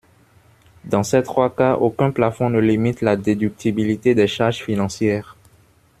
Dans ces trois cas, aucun plafond ne limite la déductibilité des charges financières.